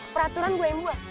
peraturan gue yang buat